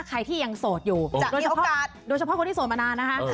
ใครที่ยังโสดอยู่โดยเฉพาะคนที่สวนมานานนะคะ